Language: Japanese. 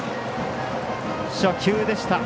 初球でした。